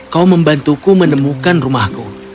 kau membantuku menemukan rumahku